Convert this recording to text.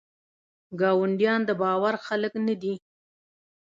ګاونډیان دباور خلګ نه دي.